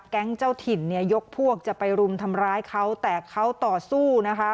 เจ้าถิ่นเนี่ยยกพวกจะไปรุมทำร้ายเขาแต่เขาต่อสู้นะคะ